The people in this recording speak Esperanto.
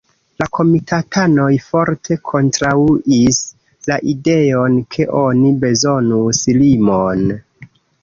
La komitatanoj forte kontraŭis la ideon ke oni bezonus limon.